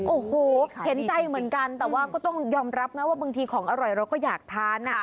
โอ้โหเห็นใจเหมือนกันแต่ว่าก็ต้องยอมรับนะว่าบางทีของอร่อยเราก็อยากทาน